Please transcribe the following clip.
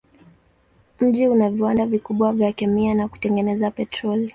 Mji una viwanda vikubwa vya kemia na kutengeneza petroli.